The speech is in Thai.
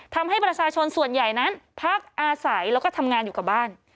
ทำให้ประชาชนส่วนใหญ่นั้นพักอาศัยแล้วก็ทำงานอยู่กับบ้าน